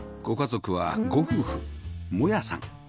ご家族はご夫婦萌弥さん